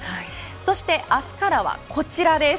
そして明日からは、こちらです。